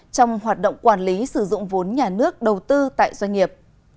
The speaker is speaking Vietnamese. trong hoạt động quản lý sử dụng vốn nhà nước đầu tư tại doanh nghiệp